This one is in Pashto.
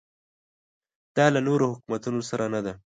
دا له نورو حکومتونو سره نه ده.